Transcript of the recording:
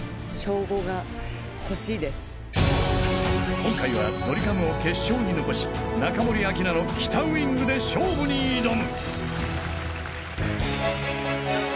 ［今回はドリカムを決勝に残し中森明菜の『北ウイング』で勝負に挑む］